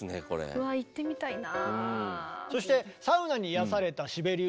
うわ行ってみたいな。